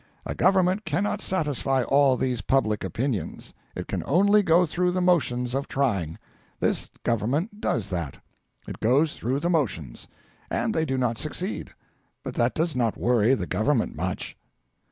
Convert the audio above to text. A Government cannot satisfy all these public opinions; it can only go through the motions of trying. This Government does that. It goes through the motions, and they do not succeed; but that does not worry the Government much.'